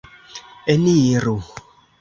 Eniru!